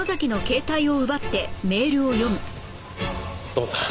土門さん